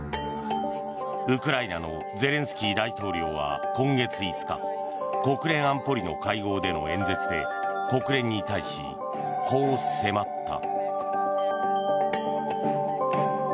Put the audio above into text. ウクライナのゼレンスキー大統領は今月５日国連安保理の会合での演説で国連に対しこう迫った。